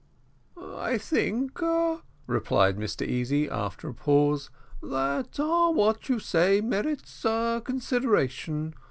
"I think," replied Mr Easy, after a pause, "that what you say merits consideration.